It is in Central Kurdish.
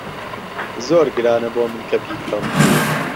زۆر گرانە بۆ من کە بیکڕم.